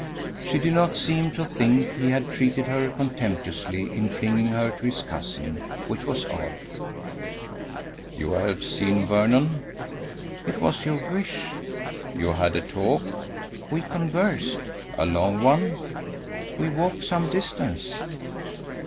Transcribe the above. She did not seem to think he had treated her contemptuously in flinging her to his cousin, which was odd. "You have seen Vernon?" "It was your wish." "You had a talk?" "We conversed." "A long one?" "We walked some distance."